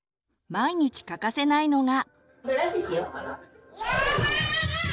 毎日欠かせないのが。